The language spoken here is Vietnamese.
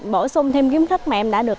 bổ sung thêm kiến thức mà em đã được